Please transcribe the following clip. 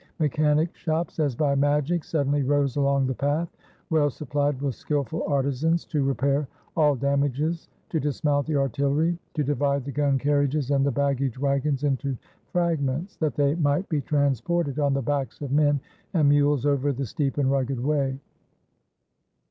Mechanic shops, as by magic, suddenly rose along the path, well supplied with skillful artisans, to repair all damages, to dismount the artillery, to divide the gun carriages and the baggage wagons into fragments, that they might be transported, on the backs of men and mules, over the steep and rugged way.